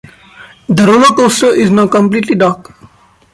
The roller coaster is now completely dark.